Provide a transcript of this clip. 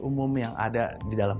umum yang ada di dalam